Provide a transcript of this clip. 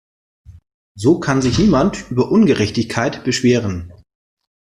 So kann sich niemand über Ungerechtigkeit beschweren.